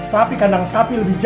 tapi kandang sapi lebih jauh